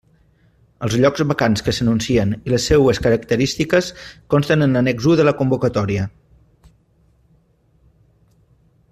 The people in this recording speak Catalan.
Els llocs vacants que s'anuncien i les seues característiques consten en l'annex u de la convocatòria.